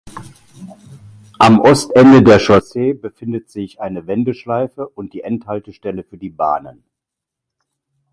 Am Ostende der Chaussee befindet sich eine Wendeschleife und die Endhaltestelle für die Bahnen.